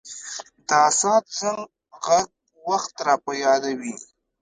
د ساعت زنګ ږغ وخت را په یادوي.